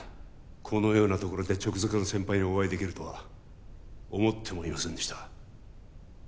このようなところで直属の先輩にお会いできるとは思ってもいませんでした